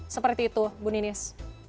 seperti itu bu ninis